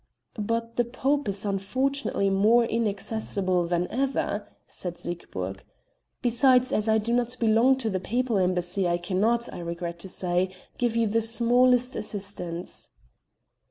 "But the Pope is unfortunately more inaccessible than ever," said Siegburg, "besides, as I do not belong to the Papal Embassy I cannot, I regret to say, give you the smallest assistance."